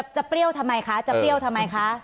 เปรี้ยวทำไมคะจะเปรี้ยวทำไมคะ